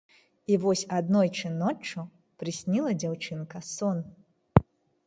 І вось аднойчы ноччу прысніла дзяўчынка сон.